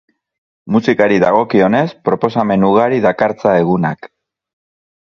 Musikari dagokionez, proposamen ugari dakartza egunak.